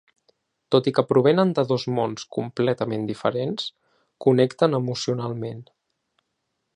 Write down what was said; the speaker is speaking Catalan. Tot i que provenen de dos mons completament diferents, connecten emocionalment.